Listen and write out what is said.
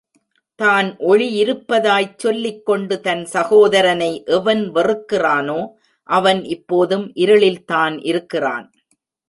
தான் ஒளியிலிருப்பதாய்ச் சொல்லிக்கொண்டு, தன் சகோதரனை எவன் வெறுக்கிறானோ, அவன் இப்போதும் இருளில் தான் இருக்கிறான்.